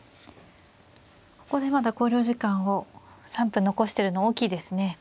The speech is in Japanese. ここでまだ考慮時間を３分残してるの大きいですね。